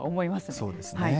そうですね。